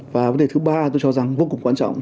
và vấn đề thứ ba tôi cho rằng vô cùng quan trọng